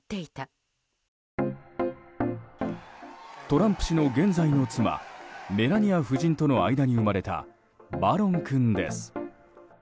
トランプ氏の現在の妻メラニア夫人との間に生まれたバロン君です。